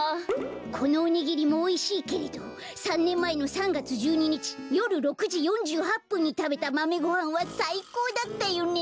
このおにぎりもおいしいけれど３ねんまえの３がつ１２にちよる６じ４８ぷんにたべたマメごはんはさいこうだったよね。